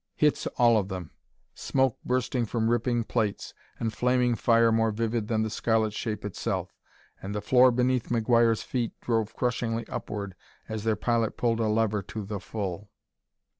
hits all of them.... Smoke bursting from ripping plates, and flaming fire more vivid than the scarlet shape itself! and the floor beneath McGuire's feet drove crushingly upward as their pilot pulled a lever to the full.